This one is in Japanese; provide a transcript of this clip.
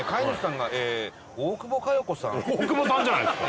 大久保さんじゃないですか。